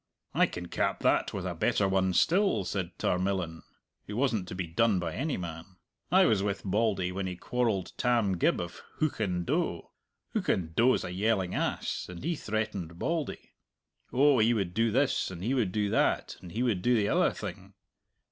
"I can cap that with a better one still," said Tarmillan, who wasn't to be done by any man. "I was with Bauldy when he quarrelled Tam Gibb of Hoochan doe. Hoochan doe's a yelling ass, and he threatened Bauldy oh, he would do this, and he would do that, and he would do the other thing.